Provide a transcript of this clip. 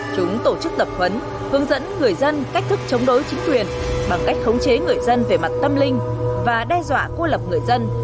chúng tổ chức tập huấn hướng dẫn người dân cách thức chống đối chính quyền bằng cách khống chế người dân về mặt tâm linh và đe dọa cô lập người dân